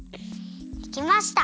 できました。